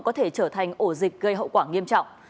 có thể trở thành ổ dịch gây hậu quả nghiêm trọng